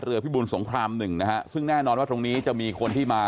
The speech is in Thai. เรือพี่บูนสงคราม๑นะฮะซึ่งแน่นอนว่าตรงนี้จะมีคนที่มา